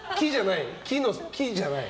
木じゃない？